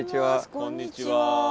こんにちは。